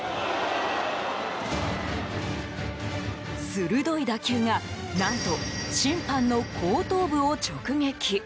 鋭い打球が何と審判の後頭部を直撃。